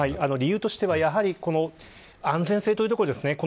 理由としてはやはり安全性というところです。